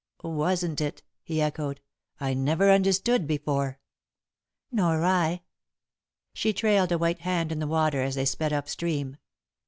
"Wasn't it!" he echoed. "I never understood before." "Nor I." She trailed a white hand in the water as they sped up stream.